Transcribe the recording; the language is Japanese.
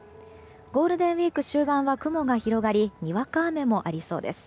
ゴールデンウィーク終盤は雲が広がりにわか雨もありそうです。